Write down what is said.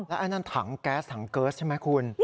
แล้วอันนั้นถังแก๊สถังเกิ๊สใช่ไหมคุณ